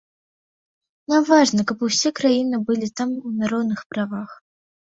Нам важна, каб усе краіны былі там на роўных правах.